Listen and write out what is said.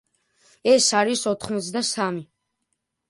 ეს არის ოთხმოცდასამი.